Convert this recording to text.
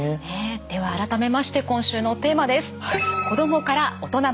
では改めまして今週のテーマです。